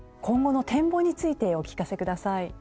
今後の展望についてお聞かせください。